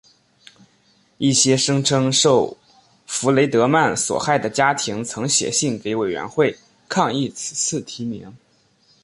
一些声称受弗雷德曼所害的家庭曾写信给委员会抗议此次提名。